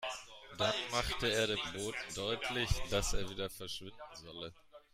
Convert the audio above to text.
Dann machte er dem Boten deutlich, dass er wieder verschwinden solle.